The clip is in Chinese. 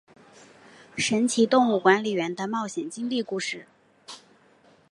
神奇动物管理员的冒险经历故事。